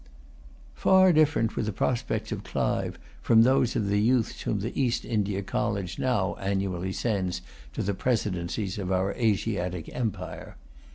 Far different were the prospects of Clive from those of the youths whom the East India College now annually sends to the Presidencies of our Asiatic empire.